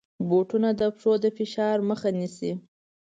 بوټونه د پښو د فشار مخه نیسي.